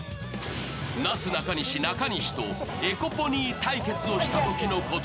なすなかにし・中西とエコポニー対決をしたときのこと。